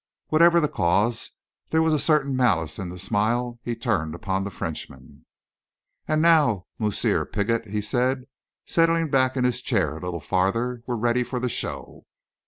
Whatever the cause, there was a certain malice in the smile he turned upon the Frenchman. "And now, Moosseer Piggott," he said, settling back in his chair a little farther, "we're ready for the show."